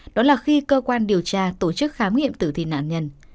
đó là khi cơ quan điều tra tổ chức khám nghiệm tử thi nạn nhân